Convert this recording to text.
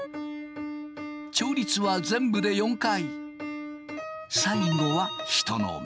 調律は全部で４回。